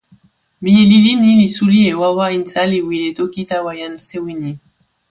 mije lili ni li suli e wawa insa li wile toki tawa jan sewi ni.